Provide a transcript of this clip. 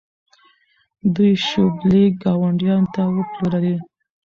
دوی شوبلې ګاونډیانو ته وپلورلې.